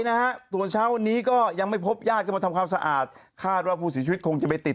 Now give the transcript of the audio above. นะฮะส่วนเช้านี้ก็ยังไม่พบญาติเรียนมาทำความสะอาดค่าดว่าวุทิสิฟิตคงจะไปติด